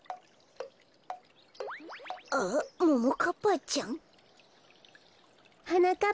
あっももかっぱちゃん？はなかっ